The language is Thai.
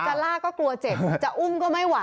ล่าก็กลัวเจ็บจะอุ้มก็ไม่ไหว